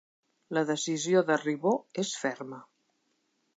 La decisió de Ribó és ferma